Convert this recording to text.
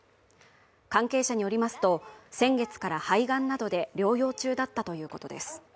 関係者によりますと、先月から肺がんなどで療養中だったということです。